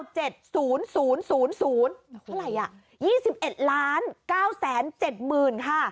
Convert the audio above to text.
เท่าไหร่อย่าง๓๑๙๗๙๕๐